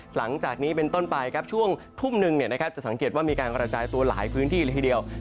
หลังจากนี้เป็นต้นไปช่วงทุ่มหนึ่งจะสังเกตว่ามีการกระจายตัวหลายพื้นที่เลยทีเดียว